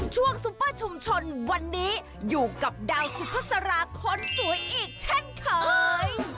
ซุปเปอร์ชุมชนวันนี้อยู่กับดาวสุภาษาราคนสวยอีกเช่นเคย